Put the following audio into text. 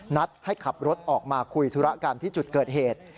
นัดให้ขับรถออกมาคุยธุระกันที่จุดเกิดเหตุ